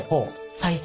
再生？